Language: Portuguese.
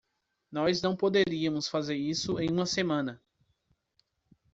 Nós não poderíamos fazer isso em uma semana!